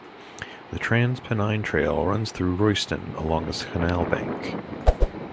The Trans Pennine Trail runs through Royston along the canal bank.